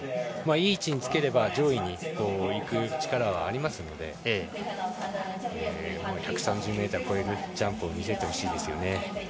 いい位置につければ上位にいく力はありますので１３０ｍ超えるジャンプを見せてほしいですよね。